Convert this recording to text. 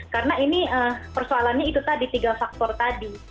karena ini persoalannya itu tadi tiga faktor tadi